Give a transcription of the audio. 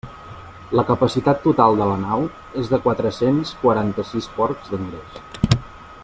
La capacitat total de la nau és de quatre-cents quaranta-sis porcs d'engreix.